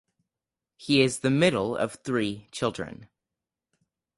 He is the middle of three children.